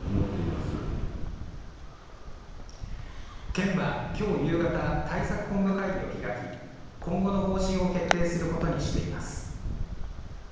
県は、きょう夕方対策本部会議を開き今後の方針を決定することにしています。